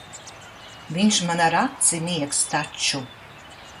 Viņš man ar aci miegs taču.